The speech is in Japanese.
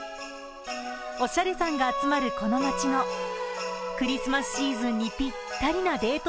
おしゃれさんが集まるこの街のクリスマスシーズンにぴったりなデート